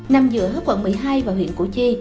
nằm giữa quận một mươi hai và huyện củ chi